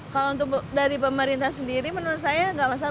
kalau untuk dari pemerintah sendiri menurut saya nggak masalah